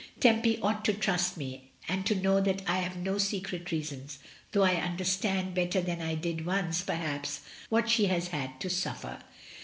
Tempy ought to trust me, and to know that I have no secret reasons — though I understand better than I did once, perhaps, what she has had to suffer."